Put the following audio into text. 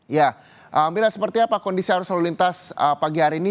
ya mila seperti apa kondisi arus lalu lintas pagi hari ini